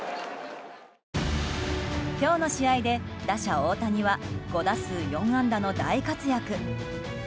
今日の試合で打者・大谷は５打数４安打の大活躍。